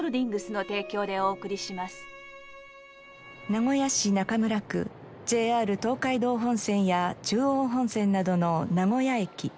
名古屋市中村区ＪＲ東海道本線や中央本線などの名古屋駅。